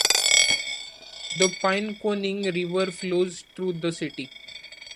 The Pinconning River flows through the city.